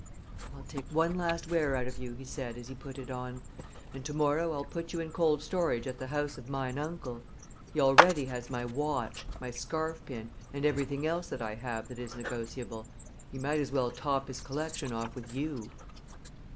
"I'll take one last wear out of you," he said, as he put it on, "and to morrow I'll put you in cold storage at the house of mine Uncle. He already has my watch, my scarf pin, and everything else that I have that is negotiable he might as well top his collection off with you."